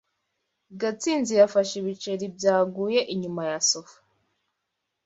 Gatsinzi yafashe ibiceri byaguye inyuma ya sofa.